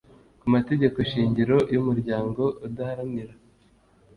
ku mategeko shingiro y umuryango udaharanira